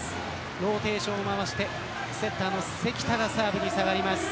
ローテーションを回してセッターの関田がサーブに下がります。